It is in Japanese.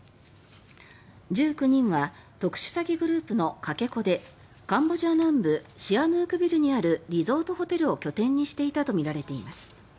１９人は特殊詐欺グループのかけ子でカンボジア南部シアヌークビルにあるリゾートホテルを拠点にしていたとみられています。